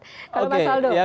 kalau pak soldo